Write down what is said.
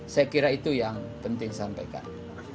saya kira itu yang penting disampaikan